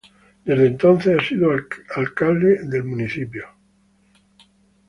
Desde entonces han sido alcaldes del municipio.